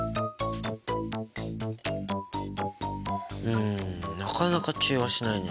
んなかなか中和しないね。